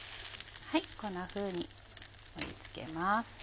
こんなふうに盛り付けます。